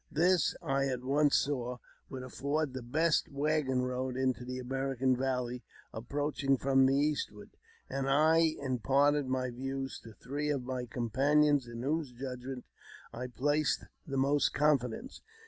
This, I at once saw, would afford the best waggon road into the American Valley approaching from the eastward, and I imparted my views to three of my com panions in whose judgment I placed the most confidence.